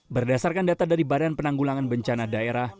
berdasarkan data dari badan penanggulangan bencana daerah